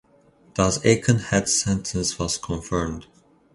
Thus Aikenhead's sentence was confirmed.